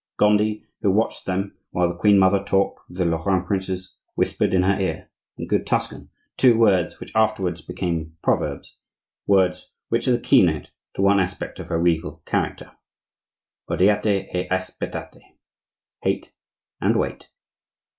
Gondi, who watched them while the queen mother talked with the Lorraine princes, whispered in her ear, in good Tuscan, two words which afterwards became proverbs,—words which are the keynote to one aspect of her regal character: "Odiate e aspettate"—"Hate and wait."